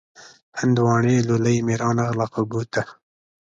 هندواڼۍ لولۍ مې را نغله خوبو ته